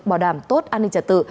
bảo đảm tốt an ninh trả tự